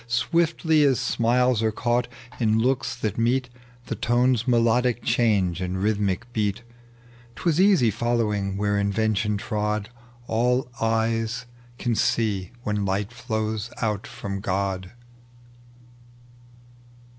Swiftly as smiles are caught in looks that meet, The tone's melodic change and rhythmic beat : 'Twas easy following where invention trod — All eyes can see when light flows out from God.